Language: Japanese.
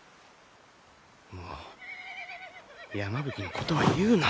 もう山吹のことは言うな。